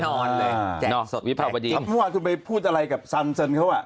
เมื่ออันก่อนคุณไปพูดอะไรกับสัญละอ่ะ